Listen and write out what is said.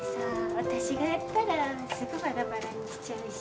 私がやったらすぐバラバラにしちゃうし。